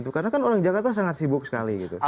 karena kan orang jakarta sangat sibuk sekali